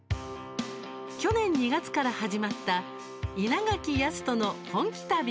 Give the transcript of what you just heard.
去年２月から始まった「イナガキヤストの本気旅」。